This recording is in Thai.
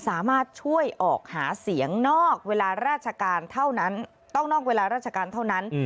สามารถช่วยออกหาเสียงนอกเวลาราชการเท่านั้นต้องนอกเวลาราชการเท่านั้น